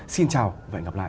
xin chào và hẹn gặp lại